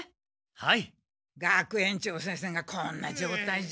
はい！